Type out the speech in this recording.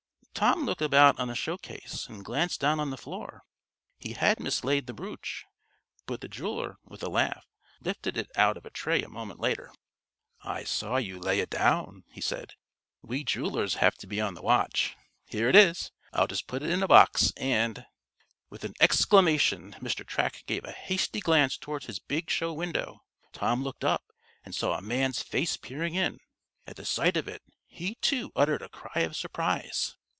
Tom looked about on the showcase, and glanced down on the floor. He had mislaid the brooch, but the jeweler, with a laugh, lifted it out of a tray a moment later. "I saw you lay it down," he said. "We jewelers have to be on the watch. Here it is. I'll just put it in a box, and " With an exclamation, Mr. Track gave a hasty glance toward his big show window. Tom looked up, and saw a man's face peering in. At the sight of it, he, too, uttered a cry of surprise.